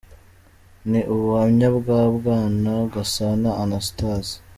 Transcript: Ni ubuhamya bwa Bwana Gasana Anastase.